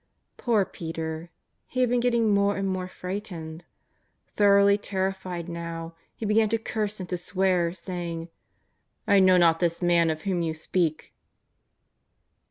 Poor Peter, he had been getting more and more frightened. Thoroughly terrified now, he began to curse and to swear, saying: " I know not this Man of whom you speak.''